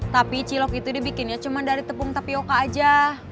tapi cilok itu dibikinnya cuma dari tepung tapioca aja